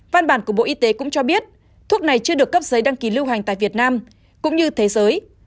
văn bản của bộ y tế cũng cho biết thuốc này chưa được cấp giấy đăng ký lưu hành tại việt nam cũng như thế giới